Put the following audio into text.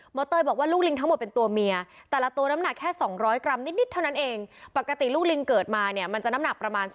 เตยบอกว่าลูกลิงทั้งหมดเป็นตัวเมียแต่ละตัวน้ำหนักแค่๒๐๐กรัมนิดเท่านั้นเองปกติลูกลิงเกิดมาเนี่ยมันจะน้ำหนักประมาณ